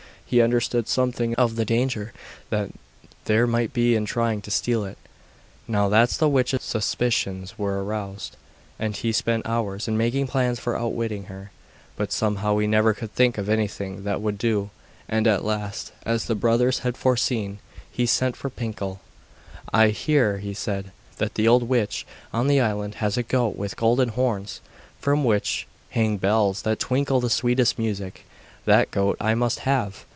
He understood something of the danger that there might be in trying to steal it, now that the witch's suspicions were aroused, and he spent hours in making plans for outwitting her. But somehow he never could think of anything that would do, and at last, as the brothers had foreseen, he sent for Pinkel. 'I hear,' he said, 'that the old witch on the island has a goat with golden horns from which hang bells that tinkle the sweetest music. That goat I must have!